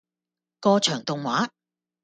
過場動畫